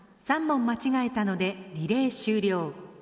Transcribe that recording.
３問間違えたのでリレー終了。